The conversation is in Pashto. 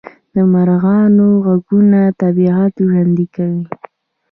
د مرغانو غږونه طبیعت ژوندی کوي